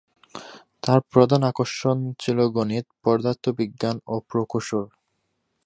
তার প্রধান আকর্ষণ ছিলো গণিত, পদার্থ বিজ্ঞান, ও প্রকৌশল।